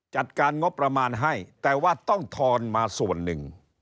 จัดการงบประมาณให้แต่ว่าต้องทอนมาส่วนหนึ่ง